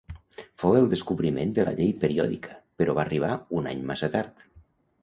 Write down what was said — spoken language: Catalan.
Fou el descobriment de la llei periòdica, però va arribar un any massa tard.